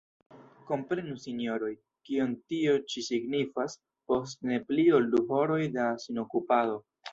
Komprenu, sinjoroj, kion tio ĉi signifas: « post ne pli ol du horoj da sinokupado ».